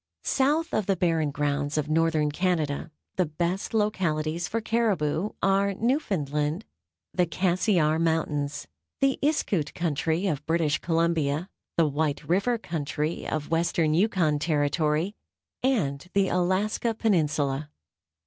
South of the Barren Grounds of northern Canada the best localities for caribou are Newfoundland, the Cassiar Mountains, the Iskoot country of British Columbia, the White River country of western Yukon Territory and the Alaska Peninsula.